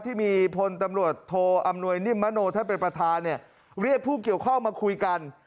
ที่มีพลตำรวจโทอำนวยนิมมโนท่านเป็นประธานเนี่ยเรียกผู้เกี่ยวข้องมาคุยกัน